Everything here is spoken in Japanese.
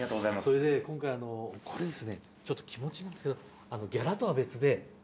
それで今回これですねちょっと気持ちなんですけど。